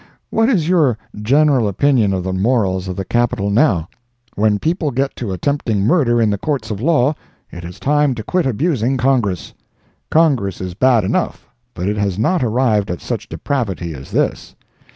What is your general opinion of the morals of the Capital now? When people get to attempting murder in the Courts of law, it is time to quit abusing Congress. Congress is bad enough, but it has not arrived at such depravity as this.